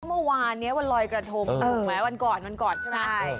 เมื่อวานเนี่ยวันรอยกระทงหมายความว่าวันก่อนวันก่อนใช่มั้ย